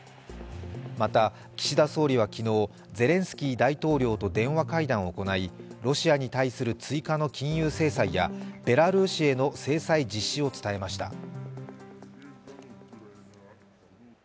また、岸田総理は昨日、ゼレンスキー大統領と電話会談を行い、ロシアに対する追加の金融制裁やベラルーシへの制裁実施を伝えました。